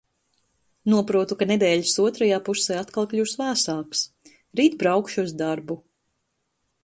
Noprotu, ka nedēļas otrajā pusē atkal kļūs vēsāks. Rīt braukšu uz darbu.